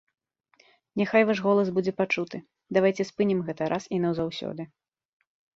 Няхай ваш голас будзе пачуты, давайце спынім гэта раз і назаўсёды.